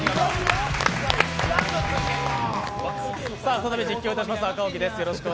再び実況します赤荻です。